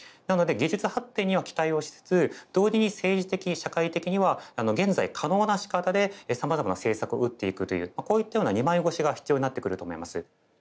なので技術発展には期待をしつつ同時に政治的に社会的には現在可能なしかたでさまざまな政策を打っていくというこういったような二枚腰が必要になってくると思います。